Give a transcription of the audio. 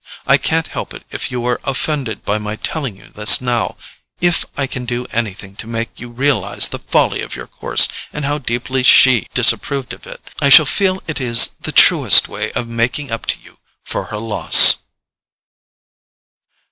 I can't help it if you are offended by my telling you this now—if I can do anything to make you realize the folly of your course, and how deeply SHE disapproved of it, I shall feel it is the truest way of making up to you for her loss."